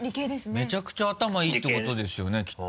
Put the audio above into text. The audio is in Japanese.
めちゃくちゃ頭いいってことですよねきっと。